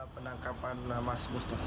penangkapan namas mustafa